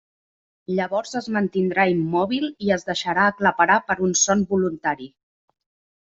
Llavors es mantindrà immòbil i es deixarà aclaparar per un son voluntari.